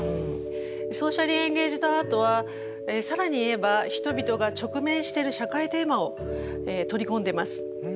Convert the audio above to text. ソーシャリー・エンゲイジド・アートは更に言えば人々が直面している社会テーマを取り込んでます。